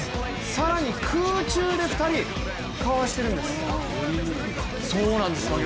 更に空中で２人、かわしてるんです。